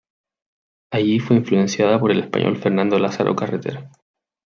Allí fue influenciada por el español Fernando Lázaro Carreter.